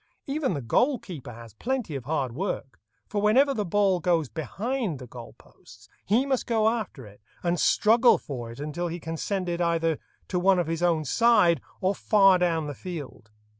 Even the goal keeper has plenty of hard work, for whenever the ball goes behind the goal posts he must go after it, and struggle for it until he can send it either to one of his own side or far down the field.